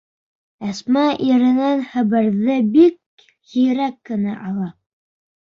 Әсмә иренән хәбәрҙе бик һирәк кенә ала.